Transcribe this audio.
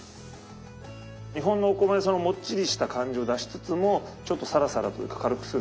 日本のお米のもっちりした感じを出しつつもちょっとサラサラというか軽くするためにこの押し麦を混ぜます。